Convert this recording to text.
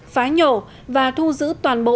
phá nhổ và thu giữ toàn bộ